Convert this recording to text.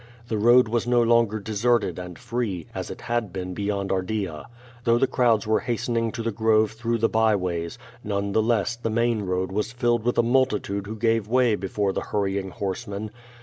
The road was no longer deserted and free, as it had been beyond Ardea. Though the crowds were hastening to the grove through the by wa3's, none the less the main road was filled with a multitude who gave way before the hurrying horseman.